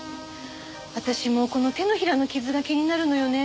私もこの手のひらの傷が気になるのよね。